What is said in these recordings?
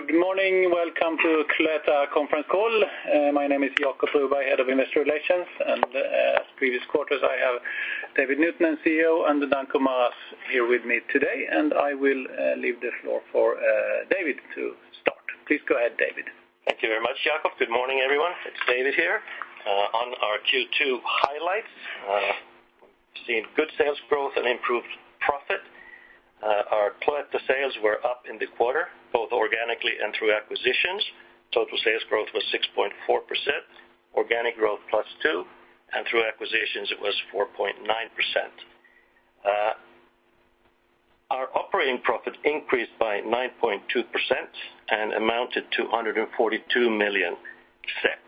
Good morning. Welcome to Cloetta Conference Call. My name is Jacob Broberg, Head of Investor Relations, and previous quarters I have David Nuutinen, CEO, and Danko Maras here with me today. I will leave the floor for David to start. Please go ahead, David. Thank you very much, Jacob. Good morning, everyone. It's David here. On our Q2 highlights, we've seen good sales growth and improved profit. Our Cloetta sales were up in the quarter, both organically and through acquisitions. Total sales growth was 6.4%, organic growth +2%, and through acquisitions it was +4.9%. Our operating profit increased by 9.2% and amounted to 142 million SEK.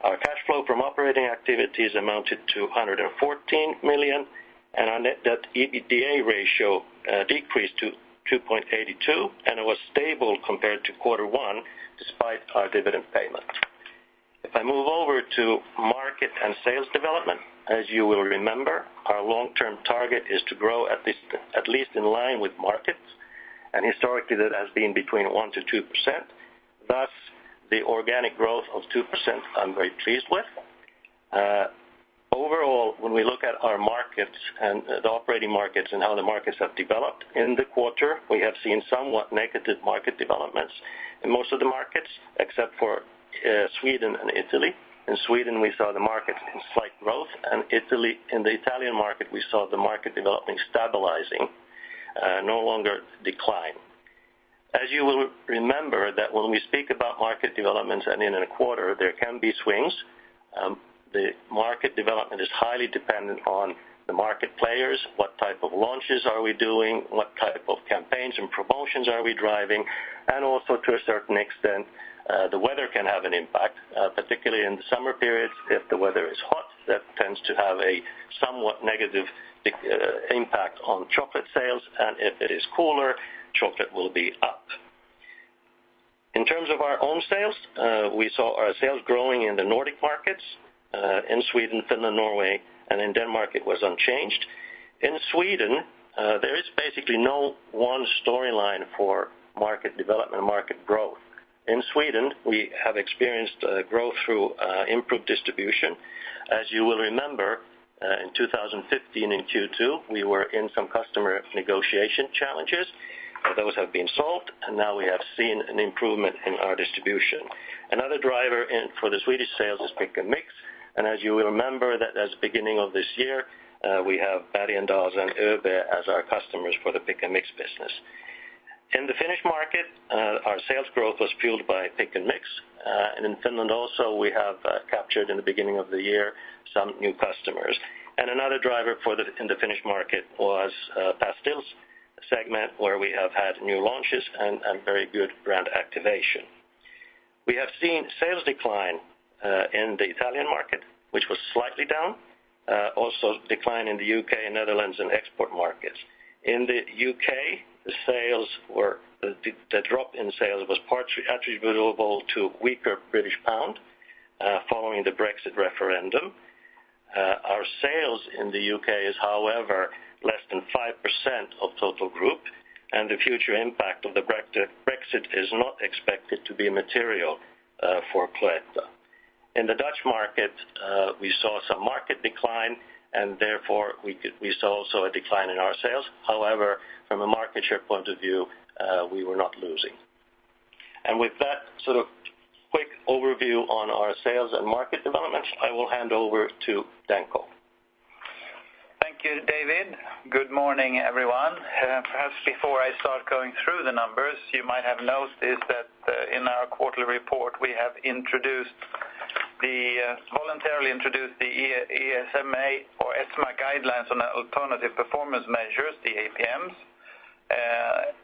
Our cash flow from operating activities amounted to 114 million, and our net debt/EBITDA ratio decreased to 2.82, and it was stable compared to quarter one despite our dividend payment. If I move over to market and sales development, as you will remember, our long-term target is to grow at least in line with markets, and historically that has been between 1%-2%. Thus, the organic growth of 2% I'm very pleased with. Overall, when we look at our markets and the operating markets and how the markets have developed in the quarter, we have seen somewhat negative market developments in most of the markets except for Sweden and Italy. In Sweden, we saw the markets in slight growth, and in the Italian market, we saw the market developing stabilizing, no longer decline. As you will remember, that when we speak about market developments and in a quarter there can be swings, the market development is highly dependent on the market players, what type of launches are we doing, what type of campaigns and promotions are we driving, and also to a certain extent, the weather can have an impact, particularly in the summer periods. If the weather is hot, that tends to have a somewhat negative impact on chocolate sales, and if it is cooler, chocolate will be up. In terms of our own sales, we saw our sales growing in the Nordic markets. In Sweden, Finland, Norway, and in Denmark, it was unchanged. In Sweden, there is basically no one storyline for market development and market growth. In Sweden, we have experienced growth through improved distribution. As you will remember, in 2015 in Q2, we were in some customer negotiation challenges. Those have been solved, and now we have seen an improvement in our distribution. Another driver for the Swedish sales is Pick & Mix, and as you will remember, that at the beginning of this year, we have Bergendahls and ÖoB as our customers for the Pick & Mix business. In the Finnish market, our sales growth was fueled by Pick & Mix, and in Finland also, we have captured in the beginning of the year some new customers. Another driver in the Finnish market was pastilles segment where we have had new launches and very good brand activation. We have seen sales decline in the Italian market, which was slightly down, also decline in the U.K., Netherlands, and export markets. In the U.K., the drop in sales was partly attributable to weaker British pound following the Brexit referendum. Our sales in the U.K. is, however, less than 5% of total group, and the future impact of the Brexit is not expected to be material for Cloetta. In the Dutch market, we saw some market decline, and therefore we saw also a decline in our sales. However, from a market share point of view, we were not losing. With that sort of quick overview on our sales and market developments, I will hand over to Danko. Thank you, David. Good morning, everyone. Perhaps before I start going through the numbers, you might have noticed is that in our quarterly report, we have voluntarily introduced the ESMA or ESMA guidelines on alternative performance measures, the APMs,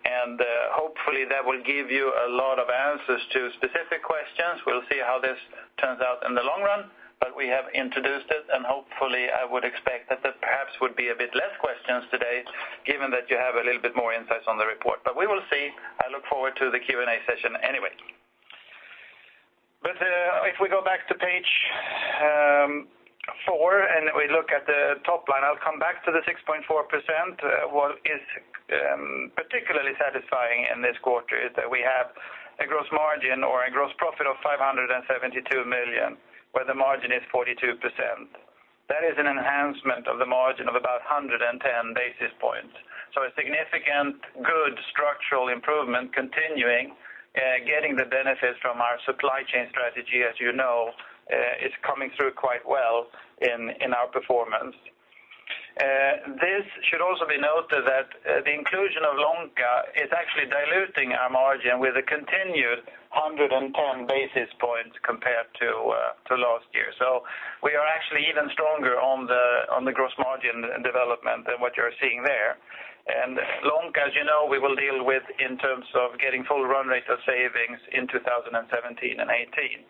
and hopefully that will give you a lot of answers to specific questions. We'll see how this turns out in the long run, but we have introduced it, and hopefully I would expect that there perhaps would be a bit less questions today given that you have a little bit more insights on the report. But we will see. I look forward to the Q&A session anyway. But if we go back to page four and we look at the top line, I'll come back to the 6.4%. What is particularly satisfying in this quarter is that we have a gross margin or a gross profit of 572 million where the margin is 42%. That is an enhancement of the margin of about 110 basis points. So a significant, good structural improvement continuing, getting the benefits from our supply chain strategy, as you know, is coming through quite well in our performance. This should also be noted that the inclusion of Lonka is actually diluting our margin with a continued 110 basis points compared to last year. So we are actually even stronger on the gross margin development than what you're seeing there. And Lonka, as you know, we will deal with in terms of getting full run rate of savings in 2017 and 2018.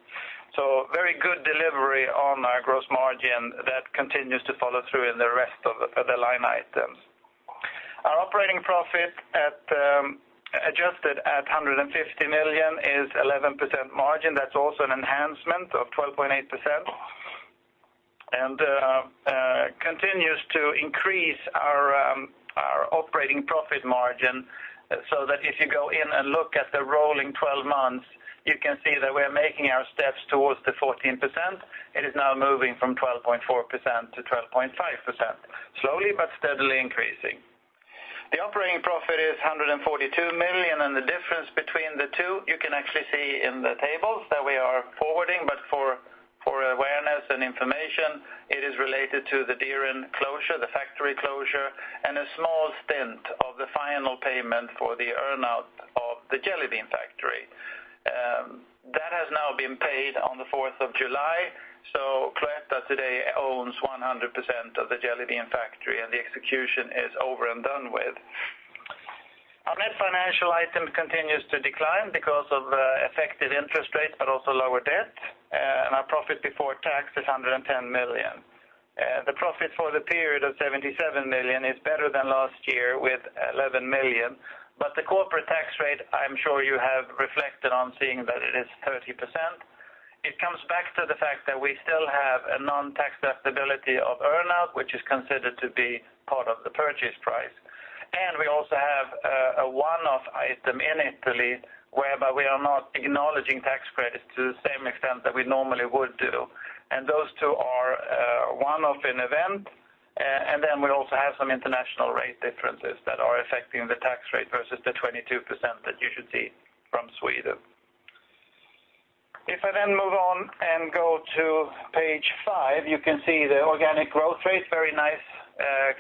So very good delivery on our gross margin that continues to follow through in the rest of the line items. Our operating profit adjusted at 150 million is 11% margin. That's also an enhancement of 12.8% and continues to increase our operating profit margin so that if you go in and look at the rolling 12 months, you can see that we are making our steps towards the 14%. It is now moving from 12.4%-12.5%, slowly but steadily increasing. The operating profit is 142 million, and the difference between the two, you can actually see in the tables that we are forwarding, but for awareness and information, it is related to the Dieren closure, the factory closure, and a small stint of the final payment for the earnout of the Jelly Bean Factory. That has now been paid on the 4th of July, so Cloetta today owns 100% of the Jelly Bean Factory, and the execution is over and done with. Our net financial item continues to decline because of effective interest rates but also lower debt, and our profit before tax is 110 million. The profit for the period of 77 million is better than last year with 11 million, but the corporate tax rate, I'm sure you have reflected on seeing that it is 30%. It comes back to the fact that we still have a non-tax deductibility of earnout, which is considered to be part of the purchase price. And we also have a one-off item in Italy whereby we are not acknowledging tax credits to the same extent that we normally would do, and those two are one-off in event, and then we also have some international rate differences that are affecting the tax rate versus the 22% that you should see from Sweden. If I then move on and go to page five, you can see the organic growth rate, very nice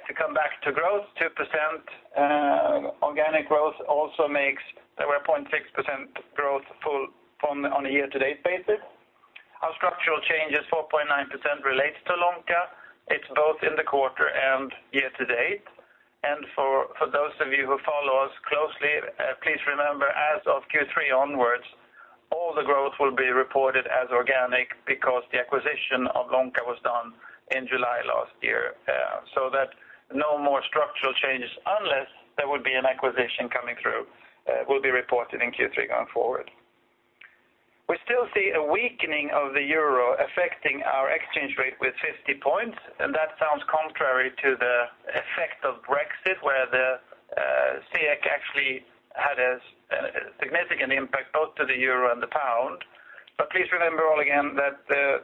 to come back to growth, 2%. Organic growth also makes that we're 0.6% growth on a year-to-date basis. Our structural changes, 4.9%, relates to Lonka. It's both in the quarter and year-to-date. And for those of you who follow us closely, please remember as of Q3 onwards, all the growth will be reported as organic because the acquisition of Lonka was done in July last year, so that no more structural changes unless there would be an acquisition coming through will be reported in Q3 going forward. We still see a weakening of the euro affecting our exchange rate with 50 points, and that sounds contrary to the effect of Brexit where the SEK actually had a significant impact both to the euro and the pound. But please remember all again that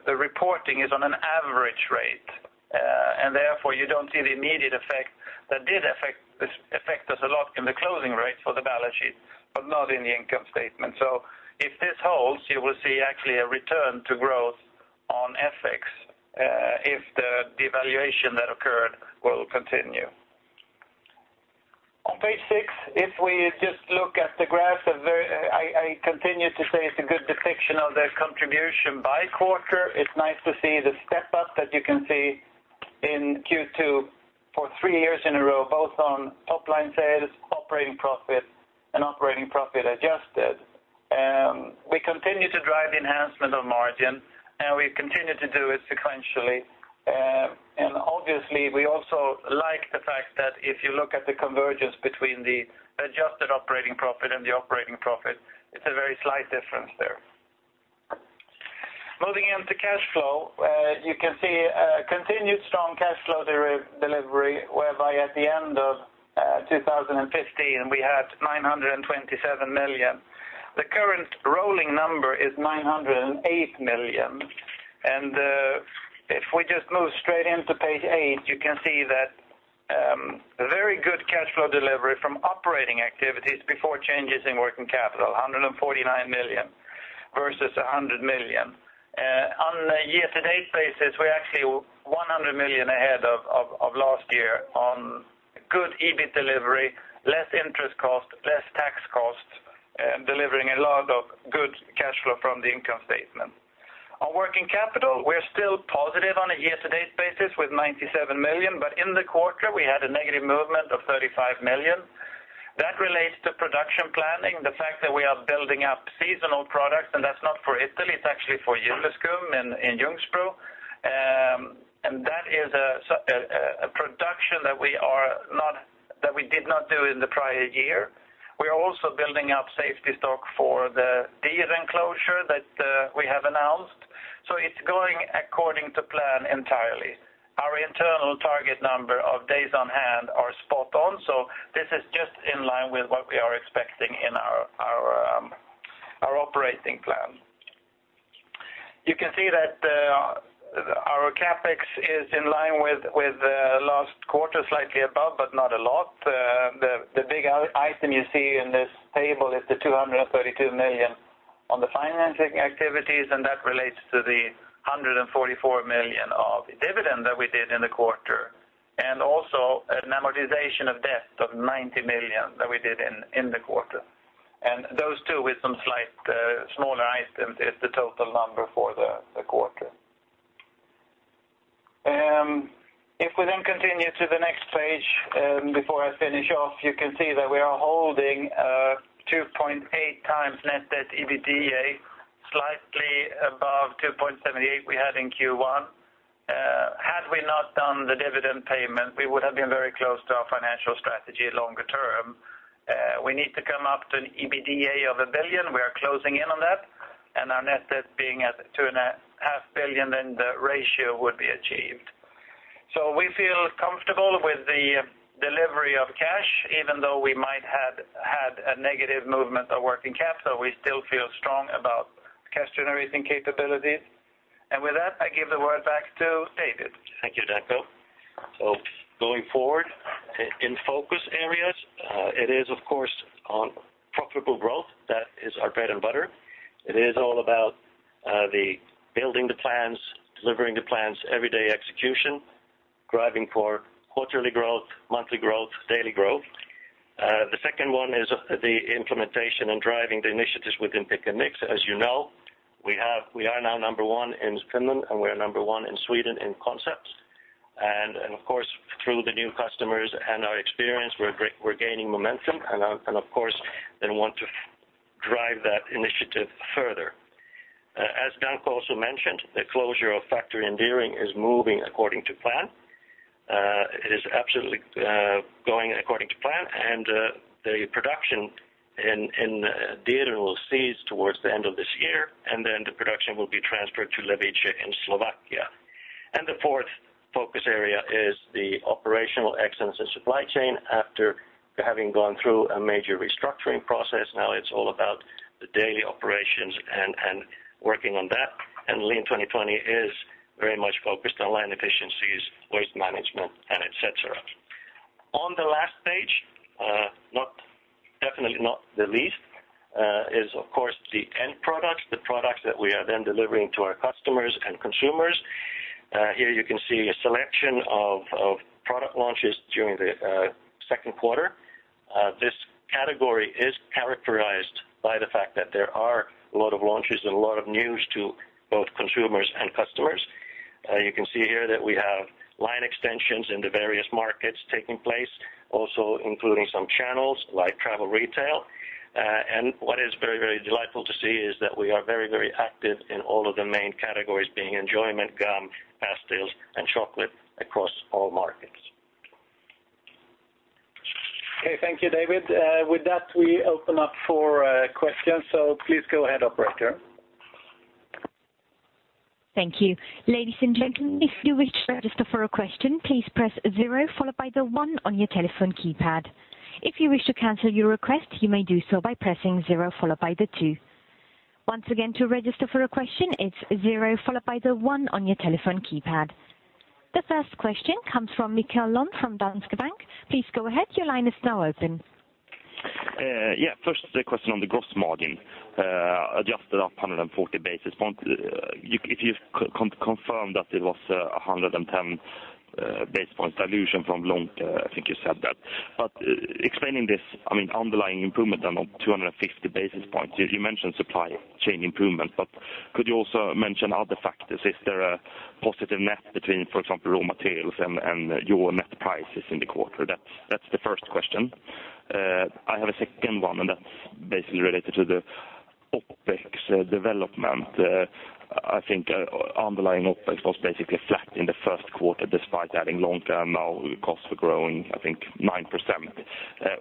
the reporting is on an average rate, and therefore you don't see the immediate effect that did affect us a lot in the closing rate for the balance sheet but not in the income statement. So if this holds, you will see actually a return to growth on FX if the devaluation that occurred will continue. On page six, if we just look at the graphs, I continue to say it's a good depiction of the contribution by quarter. It's nice to see the step-up that you can see in Q2 for three years in a row, both on top-line sales, operating profit, and operating profit adjusted. We continue to drive the enhancement of margin, and we continue to do it sequentially. Obviously, we also like the fact that if you look at the convergence between the adjusted operating profit and the operating profit, it's a very slight difference there. Moving in to cash flow, you can see continued strong cash flow delivery whereby at the end of 2015, we had 927 million. The current rolling number is 908 million. If we just move straight into page eight, you can see that very good cash flow delivery from operating activities before changes in working capital, 149 million versus 100 million. On a year-to-date basis, we're actually 100 million ahead of last year on good EBIT delivery, less interest cost, less tax cost, delivering a lot of good cash flow from the income statement. On working capital, we're still positive on a year-to-date basis with 97 million, but in the quarter, we had a negative movement of 35 million. That relates to production planning, the fact that we are building up seasonal products, and that's not for Italy. It's actually for Juleskum in Ljungsbro, and that is a production that we did not do in the prior year. We're also building up safety stock for the Dieren closure that we have announced, so it's going according to plan entirely. Our internal target number of days on hand are spot-on, so this is just in line with what we are expecting in our operating plan. You can see that our CapEx is in line with last quarter, slightly above but not a lot. The big item you see in this table is the 232 million on the financing activities, and that relates to the 144 million of dividend that we did in the quarter and also an amortization of debt of 90 million that we did in the quarter. Those two with some slight smaller items is the total number for the quarter. If we then continue to the next page before I finish off, you can see that we are holding 2.8 times net debt to EBITDA, slightly above 2.78 we had in Q1. Had we not done the dividend payment, we would have been very close to our financial strategy longer term. We need to come up to an EBITDA of 1 billion. We are closing in on that, and our net debt being at 2.5 billion, then the ratio would be achieved. So we feel comfortable with the delivery of cash even though we might have had a negative movement of working capital. We still feel strong about cash generating capabilities. With that, I give the word back to David. Thank you, Danko. So going forward, in focus areas, it is, of course, on profitable growth. That is our bread and butter. It is all about building the plans, delivering the plans, everyday execution, driving for quarterly growth, monthly growth, daily growth. The second one is the implementation and driving the initiatives within Pick & Mix. As you know, we are now number one in Finland, and we are number one in Sweden in concepts. And of course, through the new customers and our experience, we're gaining momentum and, of course, then want to drive that initiative further. As Danko also mentioned, the closure of factory in Dieren is moving according to plan. It is absolutely going according to plan, and the production in Dieren will cease towards the end of this year, and then the production will be transferred to Levice in Slovakia. The fourth focus area is the operational excellence in supply chain. After having gone through a major restructuring process, now it's all about the daily operations and working on that. And Lean 2020 is very much focused on line efficiencies, waste management, and etc. On the last page, definitely not the least, is, of course, the end products, the products that we are then delivering to our customers and consumers. Here you can see a selection of product launches during the second quarter. This category is characterized by the fact that there are a lot of launches and a lot of news to both consumers and customers. You can see here that we have line extensions in the various markets taking place, also including some channels like travel retail. What is very, very delightful to see is that we are very, very active in all of the main categories being enjoyment, gum, pastilles, and chocolate across all markets. Okay. Thank you, David. With that, we open up for questions, so please go ahead, operator. Thank you. Ladies and gentlemen, if you wish to register for a question, please press zero followed by the one on your telephone keypad. If you wish to cancel your request, you may do so by pressing zero followed by the two. Once again, to register for a question, it's zero followed by the one on your telephone keypad. The first question comes from Mikael Holm from Danske Bank. Please go ahead. Your line is now open. Yeah. First, the question on the gross margin, adjusted up 140 basis points. If you confirm that it was 110 basis points dilution from Lonka, I think you said that. But explaining this, I mean, underlying improvement then of 250 basis points. You mentioned supply chain improvement, but could you also mention other factors? Is there a positive net between, for example, raw materials and your net prices in the quarter? That's the first question. I have a second one, and that's basically related to the OpEx development. I think underlying OpEx was basically flat in the first quarter despite adding Lonka, and now costs are growing, I think, 9%.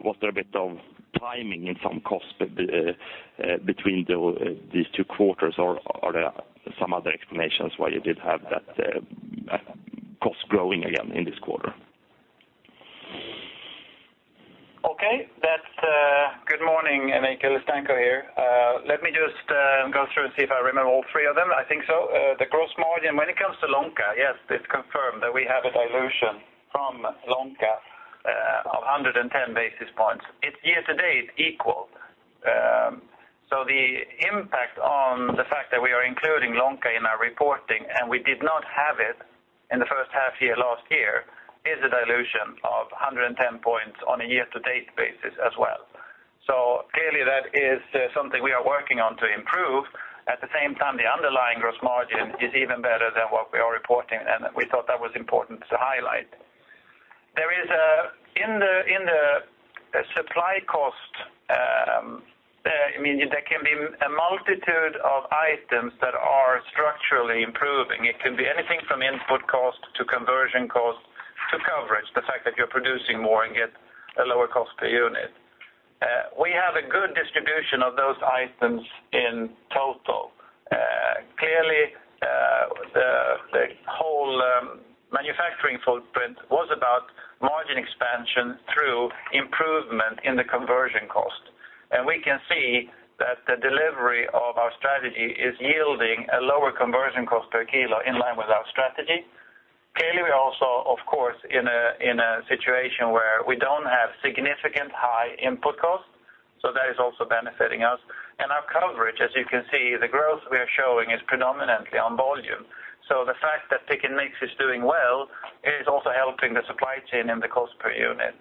Was there a bit of timing in some costs between these two quarters, or are there some other explanations why you did have that cost growing again in this quarter? Okay. Good morning. Danko Maras here. Let me just go through and see if I remember all three of them. I think so. The gross margin, when it comes to Lonka, yes, it's confirmed that we have a dilution from Lonka of 110 basis points. It's year-to-date equal. So the impact on the fact that we are including Lonka in our reporting, and we did not have it in the first half year last year, is a dilution of 110 points on a year-to-date basis as well. So clearly, that is something we are working on to improve. At the same time, the underlying gross margin is even better than what we are reporting, and we thought that was important to highlight. In the supply cost, I mean, there can be a multitude of items that are structurally improving. It can be anything from input cost to conversion cost to coverage, the fact that you're producing more and get a lower cost per unit. We have a good distribution of those items in total. Clearly, the whole manufacturing footprint was about margin expansion through improvement in the conversion cost, and we can see that the delivery of our strategy is yielding a lower conversion cost per kilo in line with our strategy. Clearly, we are also, of course, in a situation where we don't have significant high input cost, so that is also benefiting us. Our coverage, as you can see, the growth we are showing is predominantly on volume. So the fact that Pick & Mix is doing well is also helping the supply chain in the cost per unit.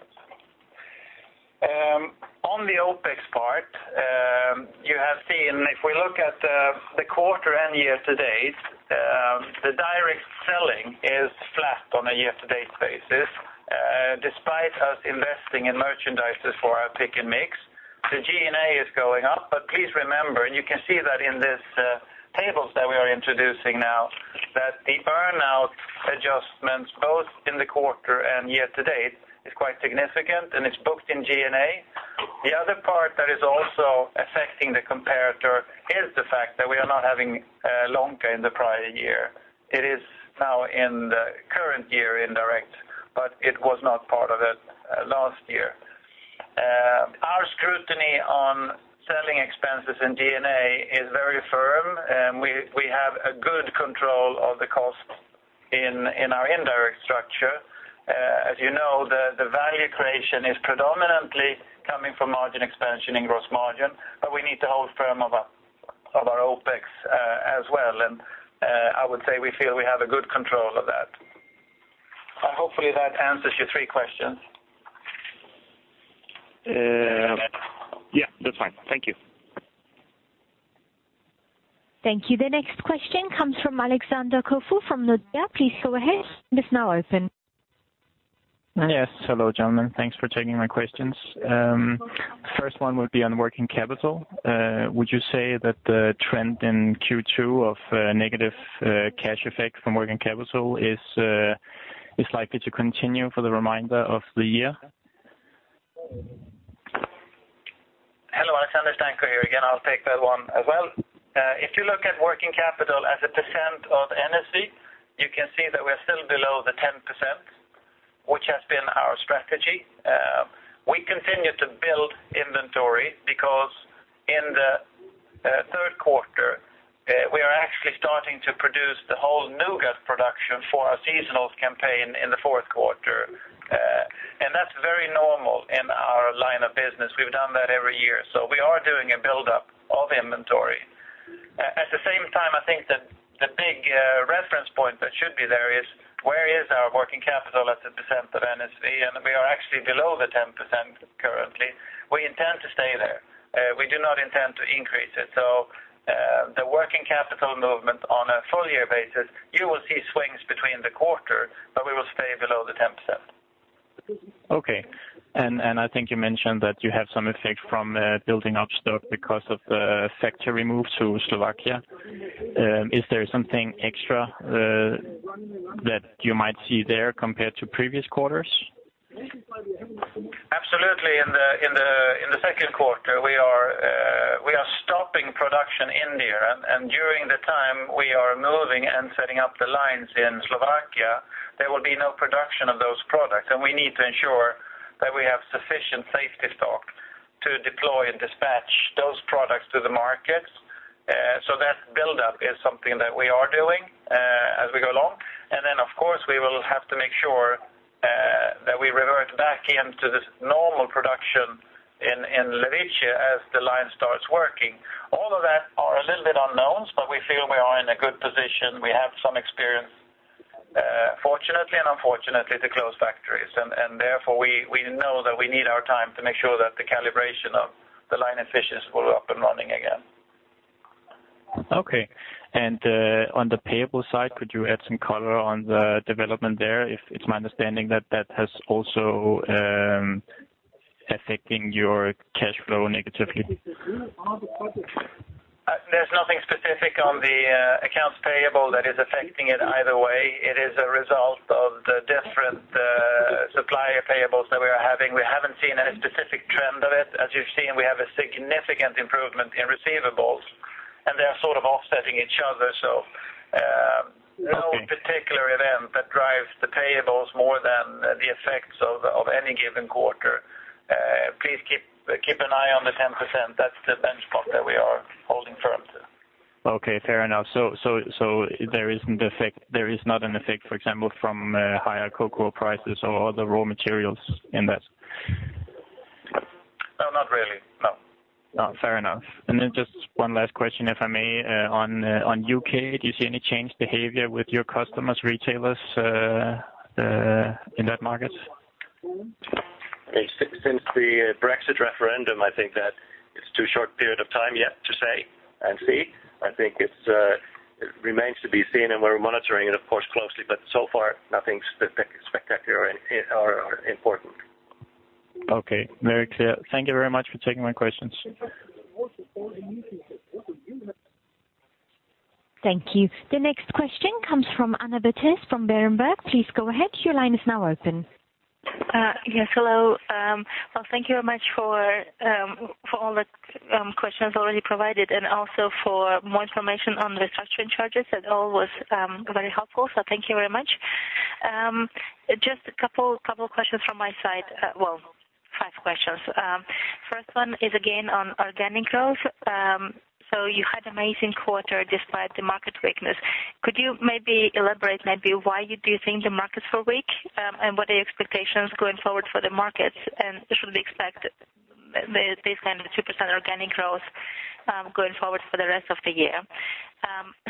On the OpEx part, you have seen if we look at the quarter and year-to-date, the direct selling is flat on a year-to-date basis. Despite us investing in merchandisers for our Pick & Mix, the G&A is going up. But please remember, and you can see that in these tables that we are introducing now, that the earnout adjustments both in the quarter and year-to-date is quite significant, and it's booked in G&A. The other part that is also affecting the comparator is the fact that we are not having Lonka in the prior year. It is now in the current year indirect, but it was not part of it last year. Our scrutiny on selling expenses in G&A is very firm, and we have a good control of the costs in our indirect structure. As you know, the value creation is predominantly coming from margin expansion in gross margin, but we need to hold firm of our OPEX as well. I would say we feel we have a good control of that. Hopefully, that answers your three questions. Yeah. That's fine. Thank you. Thank you. The next question comes from Alexander Koefoed from Nordea. Please go ahead. It's now open. Yes. Hello, gentlemen. Thanks for taking my questions. The first one would be on working capital. Would you say that the trend in Q2 of negative cash effect from working capital is likely to continue for the remainder of the year? Hello. Alexander, Danko here again. I'll take that one as well. If you look at working capital as a percent of NSV, you can see that we are still below the 10%, which has been our strategy. We continue to build inventory because in the third quarter, we are actually starting to produce the whole nougat production for our seasonals campaign in the fourth quarter. That's very normal in our line of business. We've done that every year, so we are doing a buildup of inventory. At the same time, I think that the big reference point that should be there is, where is our working capital as a percent of NSV? We are actually below the 10% currently. We intend to stay there. We do not intend to increase it. The working capital movement on a full-year basis, you will see swings between the quarter, but we will stay below the 10%. Okay. I think you mentioned that you have some effect from building up stock because of the factory move to Slovakia. Is there something extra that you might see there compared to previous quarters? Absolutely. In the second quarter, we are stopping production in Dieren. During the time we are moving and setting up the lines in Slovakia, there will be no production of those products, and we need to ensure that we have sufficient safety stock to deploy and dispatch those products to the markets. That buildup is something that we are doing as we go along. Then, of course, we will have to make sure that we revert back into the normal production in Levice as the line starts working. All of that are a little bit unknowns, but we feel we are in a good position. We have some experience, fortunately and unfortunately, to close factories. Therefore, we know that we need our time to make sure that the calibration of the line efficiency will be up and running again. Okay. And on the payable side, could you add some color on the development there? It's my understanding that that is also affecting your cash flow negatively. There's nothing specific on the accounts payable that is affecting it either way. It is a result of the different supplier payables that we are having. We haven't seen any specific trend of it. As you've seen, we have a significant improvement in receivables, and they are sort of offsetting each other. So no particular event that drives the payables more than the effects of any given quarter. Please keep an eye on the 10%. That's the benchmark that we are holding firm to. Okay. Fair enough. So there isn't an effect, for example, from higher cocoa prices or other raw materials in that? No, not really. No. Fair enough. And then just one last question, if I may. On U.K., do you see any change behavior with your customers, retailers, in that market? Since the Brexit referendum, I think that it's too short a period of time yet to say and see. I think it remains to be seen, and we're monitoring it, of course, closely. But so far, nothing spectacular or important. Okay. Very clear. Thank you very much for taking my questions. Thank you. The next question comes from Anna Patrice from Berenberg. Please go ahead. Your line is now open. Yes. Hello. Well, thank you very much for all the questions already provided and also for more information on the structuring charges. It all was very helpful, so thank you very much. Just a couple of questions from my side. Well, five questions. First one is again on organic growth. So you had an amazing quarter despite the market weakness. Could you maybe elaborate maybe why you do think the markets were weak and what are your expectations going forward for the markets? And should we expect this kind of 2% organic growth going forward for the rest of the year?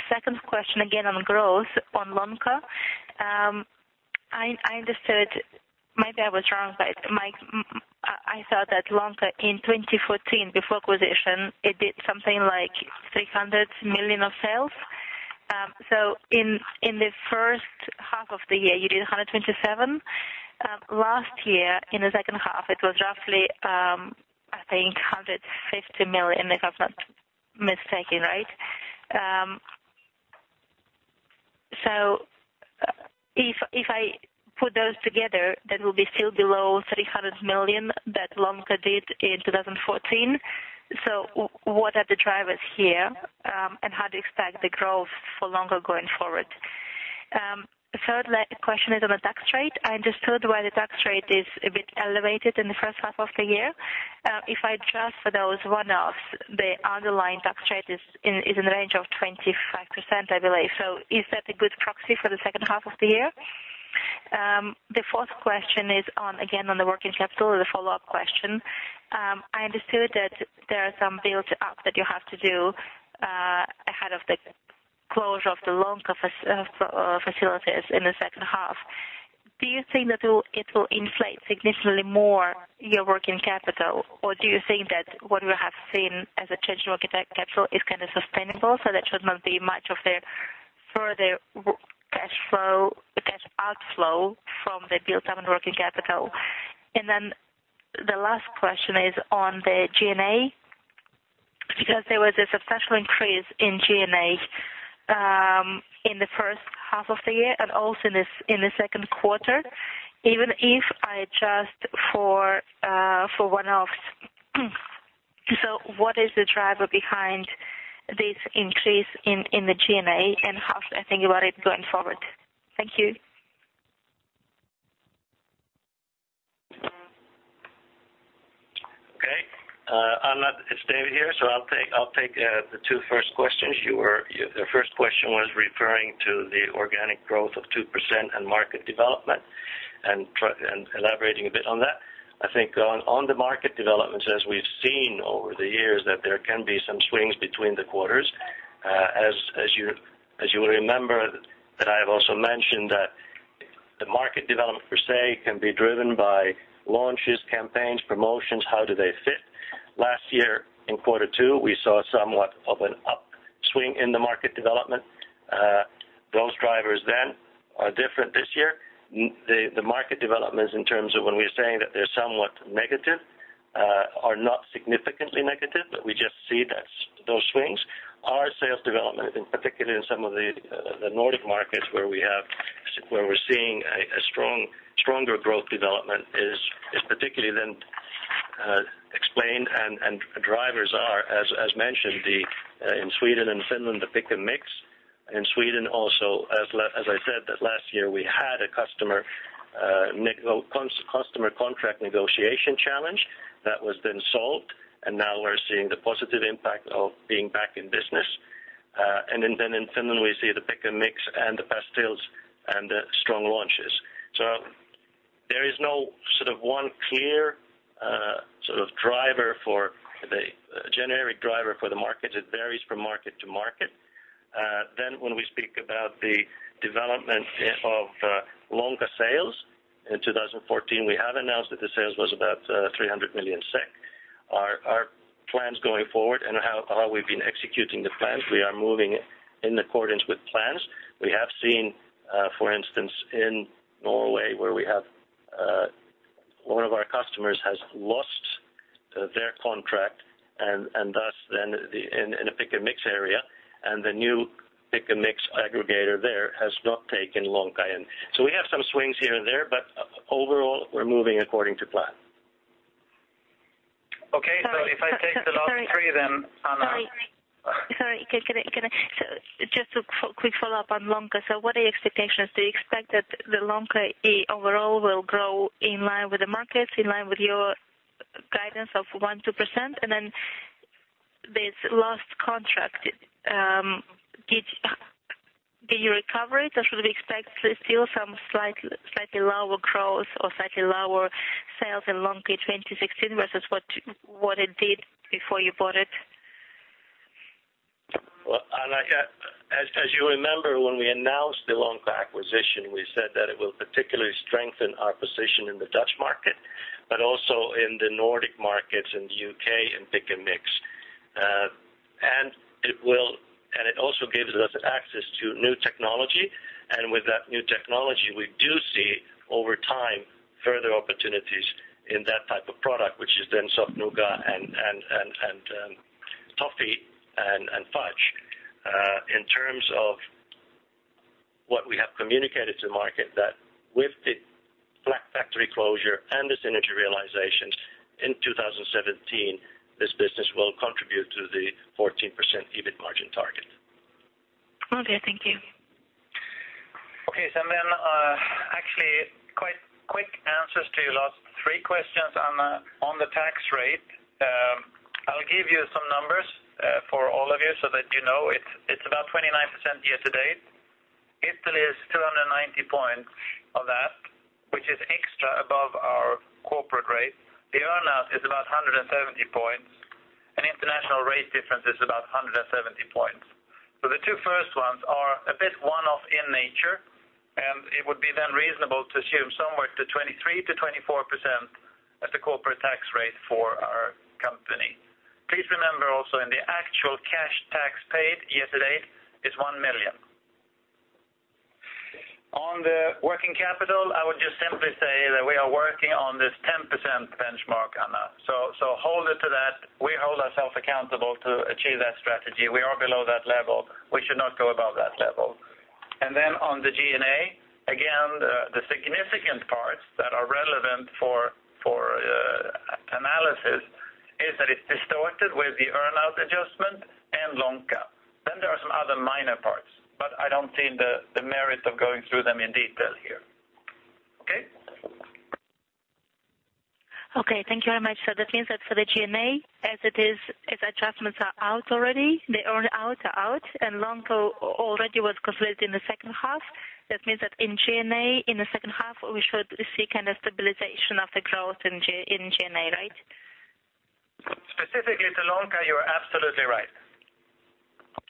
Second question, again on growth, on Lonka. I understood maybe I was wrong, but I thought that Lonka in 2014, before acquisition, it did something like 300 million of sales. So in the first half of the year, you did 127 million. Last year, in the second half, it was roughly, I think, 150 million if I'm not mistaken, right? So if I put those together, that will be still below 300 million that Lonka did in 2014. So what are the drivers here, and how do you expect the growth for Lonka going forward? Third question is on the tax rate. I understood why the tax rate is a bit elevated in the first half of the year. If I adjust for those one-offs, the underlying tax rate is in the range of 25%, I believe. So is that a good proxy for the second half of the year? The fourth question is again on the working capital is a follow-up question. I understood that there are some builds up that you have to do ahead of the closure of the Lonka facilities in the second half. Do you think that it will inflate significantly more your working capital, or do you think that what we have seen as a change in working capital is kind of sustainable, so that should not be much of the further cash outflow from the buildup in working capital? And then the last question is on the G&A. Because there was a substantial increase in G&A in the first half of the year and also in the second quarter, even if I adjust for one-offs. So what is the driver behind this increase in the G&A, and how should I think about it going forward? Thank you. Okay. It's David here, so I'll take the two first questions. Your first question was referring to the organic growth of 2% and market development and elaborating a bit on that. I think on the market developments, as we've seen over the years, that there can be some swings between the quarters. As you will remember, that I have also mentioned that the market development per se can be driven by launches, campaigns, promotions, how do they fit. Last year in quarter two, we saw somewhat of an upswing in the market development. Those drivers then are different this year. The market developments in terms of when we're saying that they're somewhat negative are not significantly negative, but we just see those swings. Our sales development, in particular in some of the Nordic markets where we're seeing a stronger growth development, is particularly then explained and drivers are, as mentioned, in Sweden and Finland, the Pick & Mix. In Sweden also, as I said, that last year we had a customer contract negotiation challenge that was then solved, and now we're seeing the positive impact of being back in business. And then in Finland, we see the Pick & Mix and the pastilles and the strong launches. So there is no sort of one clear sort of driver for the generic driver for the markets. It varies from market to market. Then when we speak about the development of Lonka sales, in 2014, we have announced that the sales was about 300 million SEK. Our plans going forward and how we've been executing the plans, we are moving in accordance with plans. We have seen, for instance, in Norway where one of our customers has lost their contract and thus then in a Pick & Mix area, and the new Pick & Mix aggregator there has not taken Lonka in. So we have some swings here and there, but overall, we're moving according to plan. Okay. So if I take the last three then, Anna. Sorry. Sorry. Can I just a quick follow-up on Lonka? So what are your expectations? Do you expect that the Lonka overall will grow in line with the markets, in line with your guidance of 1%-2%? And then this lost contract, did you recover it, or should we expect still some slightly lower growth or slightly lower sales in Lonka in 2016 versus what it did before you bought it? Well, Anna, as you remember, when we announced the Lonka acquisition, we said that it will particularly strengthen our position in the Dutch market, but also in the Nordic markets and the U.K. and Pick & Mix. And it also gives us access to new technology. And with that new technology, we do see over time further opportunities in that type of product, which is then soft nougat and toffee and fudge. In terms of what we have communicated to the market, that with the black factory closure and the synergy realizations in 2017, this business will contribute to the 14% EBIT margin target. Okay. Thank you. Okay. So then actually, quite quick answers to your last three questions, Anna. On the tax rate, I'll give you some numbers for all of you so that you know. It's about 29% year-to-date. Italy is 290 points of that, which is extra above our corporate rate. The earnout is about 170 points. An international rate difference is about 170 points. So the two first ones are a bit one-off in nature, and it would be then reasonable to assume somewhere to 23%-24% as the corporate tax rate for our company. Please remember also in the actual cash tax paid year-to-date, it's 1 million. On the working capital, I would just simply say that we are working on this 10% benchmark, Anna. So hold it to that. We hold ourselves accountable to achieve that strategy. We are below that level. We should not go above that level. And then on the G&A, again, the significant parts that are relevant for analysis is that it's distorted with the earnout adjustment and Lonka. Then there are some other minor parts, but I don't see the merit of going through them in detail here. Okay? Okay. Thank you very much. So that means that for the G&A, as adjustments are out already, the earnout are out, and Lonka already was completed in the second half. That means that in G&A, in the second half, we should see kind of stabilization of the growth in G&A, right? Specifically to Lonka, you are absolutely right.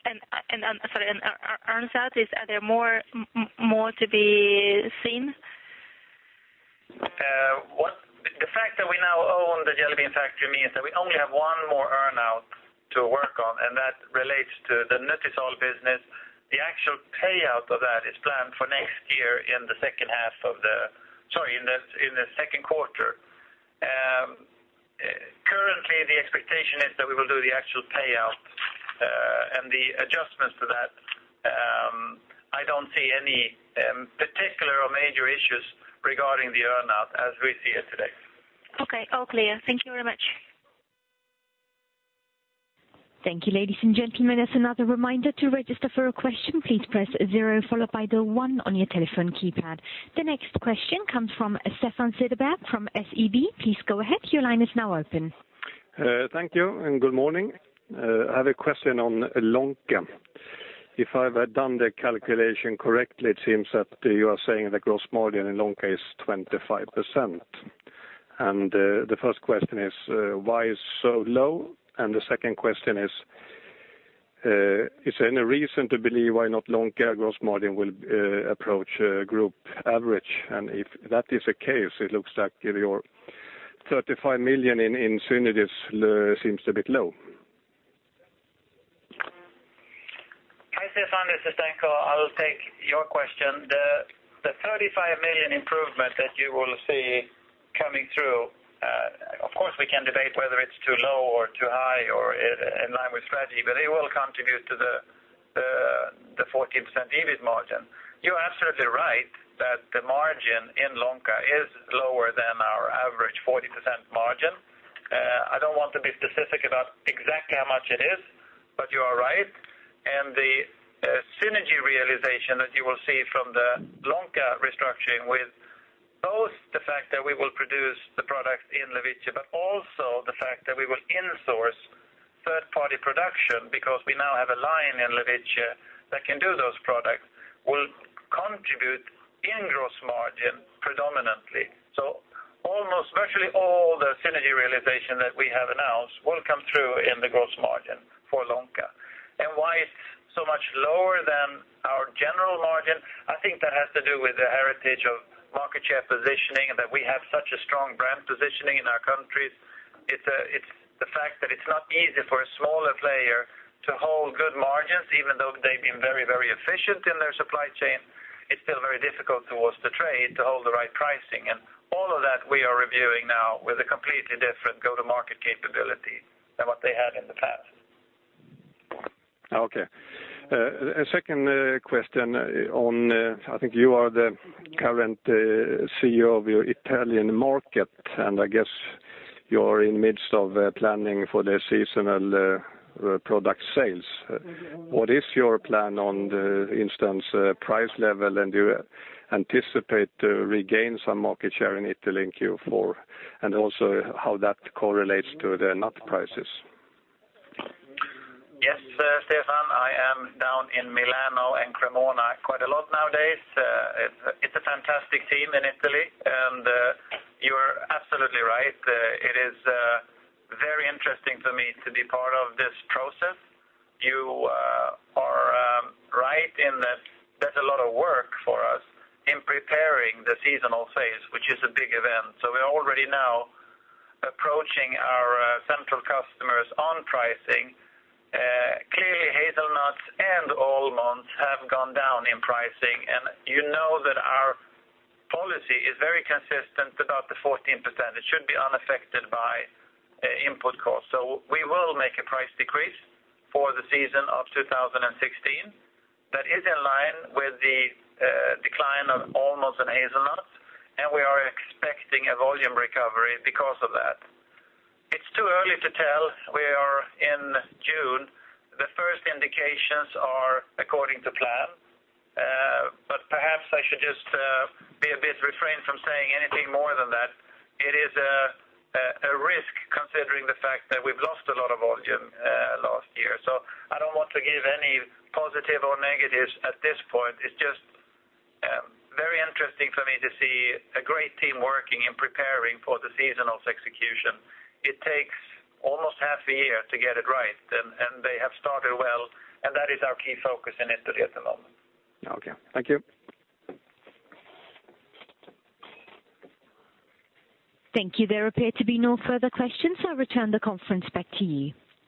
Sorry. Earnouts, are there more to be seen? The fact that we now own the Jelly Bean Factory means that we only have one more earnout to work on, and that relates to the Nutisal business. The actual payout of that is planned for next year in the second quarter. Currently, the expectation is that we will do the actual payout and the adjustments to that. I don't see any particular or major issues regarding the earnout as we see it today. Okay. All clear. Thank you very much. Thank you, ladies and gentlemen. As another reminder to register for a question, please press zero followed by the one on your telephone keypad. The next question comes from Stefan Cederberg from SEB. Please go ahead. Your line is now open. Thank you and good morning. I have a question on Lonka. If I've done the calculation correctly, it seems that you are saying the gross margin in Lonka is 25%. And the first question is, why is it so low? And the second question is, is there any reason to believe why not Lonka gross margin will approach group average? And if that is the case, it looks like your 35 million in synergies seems a bit low. Hi, Stefan. This is Danko. I'll take your question. The 35 million improvement that you will see coming through, of course, we can debate whether it's too low or too high or in line with strategy, but it will contribute to the 14% EBIT margin. You are absolutely right that the margin in Lonka is lower than our average 40% margin. I don't want to be specific about exactly how much it is, but you are right. And the synergy realization that you will see from the Lonka restructuring with both the fact that we will produce the products in Levice, but also the fact that we will insource third-party production because we now have a line in Levice that can do those products, will contribute in gross margin predominantly. So almost virtually all the synergy realization that we have announced will come through in the gross margin for Lonka. Why it's so much lower than our general margin, I think that has to do with the heritage of market share positioning, that we have such a strong brand positioning in our countries. It's the fact that it's not easy for a smaller player to hold good margins, even though they've been very, very efficient in their supply chain. It's still very difficult towards the trade to hold the right pricing. All of that, we are reviewing now with a completely different go-to-market capability than what they had in the past. Okay. A second question. I think you are the current CEO of your Italian market, and I guess you are in the midst of planning for the seasonal product sales. What is your plan, for instance, price level, and do you anticipate to regain some market share in Italy in Q4, and also how that correlates to the nut prices? Yes, Stefan. I am down in Milano and Cremona quite a lot nowadays. It's a fantastic team in Italy. And you're absolutely right. It is very interesting for me to be part of this process. You are right in that there's a lot of work for us in preparing the seasonal phase, which is a big event. So we are already now approaching our central customers on pricing. Clearly, hazelnuts and almonds have gone down in pricing, and you know that our policy is very consistent about the 14%. It should be unaffected by input costs. So we will make a price decrease for the season of 2016 that is in line with the decline of almonds and hazelnuts, and we are expecting a volume recovery because of that. It's too early to tell. We are in June. The first indications are according to plan. But perhaps I should just be a bit restrained from saying anything more than that. It is a risk considering the fact that we've lost a lot of volume last year. So I don't want to give any positive or negatives at this point. It's just very interesting for me to see a great team working in preparing for the seasonal execution. It takes almost half a year to get it right, and they have started well, and that is our key focus in Italy at the moment. Okay. Thank you. Thank you. There appear to be no further questions, so I'll return the conference back to you.